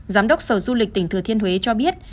giám đốc sở du lịch tỉnh thừa thiên huế cho biết